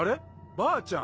ばあちゃん！